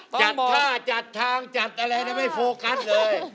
จัดท่าจัดทางจัดอะไรไม่โฟกัสเลย